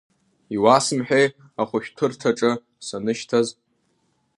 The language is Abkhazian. Иуасымҳәеи ахәышәтәырҭаҿы санышьҭаз.